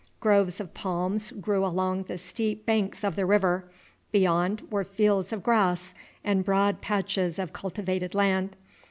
Groves of palms grew along the steep banks of the river; beyond were fields of grass and broad patches of cultivated land.